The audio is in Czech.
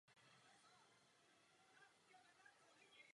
V současné době je šéfredaktorkou známého módního magazínu Garáž.